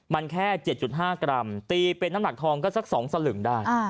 มันแค่๗๕กรัมตีเป็นน้ำหนักทองก็สัก๒สลึงได้